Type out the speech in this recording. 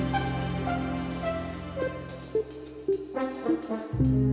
tarsan beruntung tn